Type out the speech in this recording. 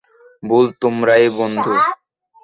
ভুল তোমারই, বন্ধু।